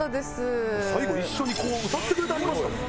最後一緒にこう歌ってくれてはりましたもん。